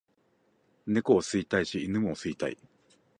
猫を吸いたいし犬も吸いたい